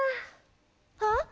あっ！